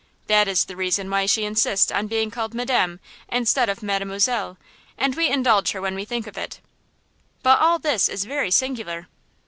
That is the reason why she insists on being called madame instead of mademoiselle, and we indulge her when we think of it!" "But all this is very singular!"